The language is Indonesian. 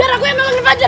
biar aku yang nolong fajar